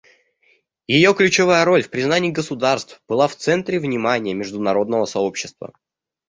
Ее ключевая роль в признании государств была в центре внимания международного сообщества.